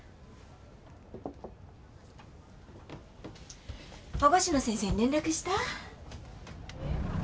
保護司の先生に連絡した？